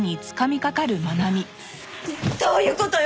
どういう事よ！？